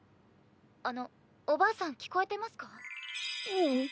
あのおばあさん聞こえてますか？